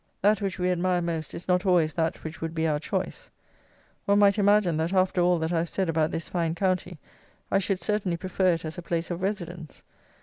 That which we admire most is not always that which would be our choice. One might imagine, that after all that I have said about this fine county, I should certainly prefer it as a place of residence.